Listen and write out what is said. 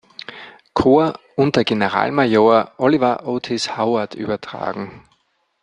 Korps unter Generalmajor Oliver Otis Howard übertragen.